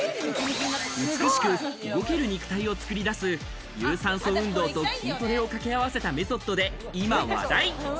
美しく動ける肉体を作り出す、有酸素運動と筋トレを掛け合わせたメソッドで今話題。